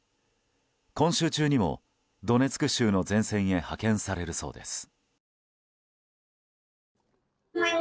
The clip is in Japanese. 今週中にもドネツク州の前線へ派遣されるそうです。